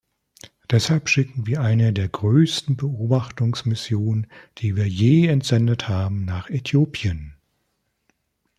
Deshalb schickten wir eine der größten Beobachtungsmissionen, die wir je entsendet haben, nach Äthiopien.